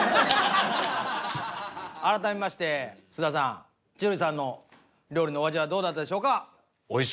改めまして菅田さん千鳥さんの料理のお味はどうだったでしょうか？